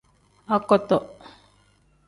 Akoto.